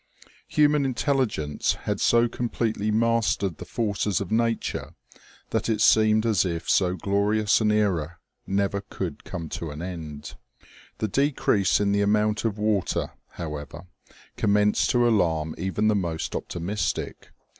Human intelligence had so completely mastered the forces of nature that it seemed as if so glorious an era never could come to an end. The decrease in the amount of water, however, commenced to alarm even the most op timistic.